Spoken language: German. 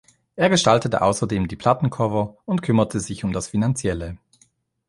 Er gestaltete außerdem die Plattencover und kümmerte sich um das Finanzielle.